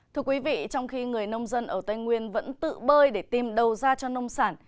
thưa quý vị trong khi người nông dân ở tây nguyên vẫn tự bơi để tìm đầu ra cho nông sản